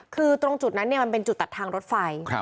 คือตรงจุดนั้นมันเป็นจุดตัดทางรถไฟ